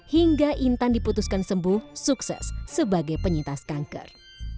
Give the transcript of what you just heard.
hingga intan diputuskan sembuh sukses sebagai penyintas kanker